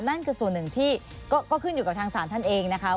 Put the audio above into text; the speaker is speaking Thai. นั่นคือส่วนหนึ่งที่ก็ขึ้นอยู่กับทางศาลท่านเองนะคะ